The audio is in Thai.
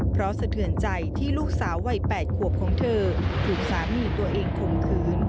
เพราะสะเทือนใจที่ลูกสาววัย๘ขวบเขาถูกสามีตัวเองกลมเคิ้น